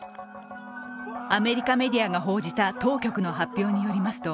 アメリカメディアが報じた当局の発表によりますと